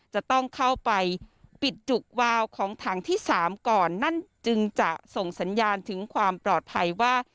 จะต้องเข้าไปปิดจุกวาวของถังที่๓ก่อนนั่นจึงจะส่งสัญญาณถึงความปลอดภัยว่า